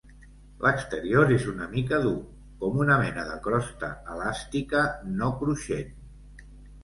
L'exterior és una mica dur, com una mena de crosta elàstica, no cruixent.